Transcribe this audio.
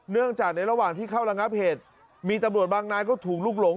เนื่องจากในระหว่างที่เข้าระงับเหตุมีตำรวจบางนายก็ถูกลุกหลง